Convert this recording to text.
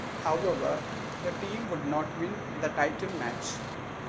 However the team would not win the title match.